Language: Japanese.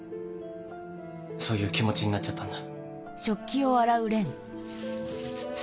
そういう気持ちになっちゃったんだ。